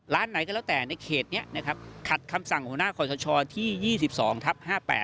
ไหนก็แล้วแต่ในเขตนี้นะครับขัดคำสั่งหัวหน้าขอสชที่๒๒ทับ๕๘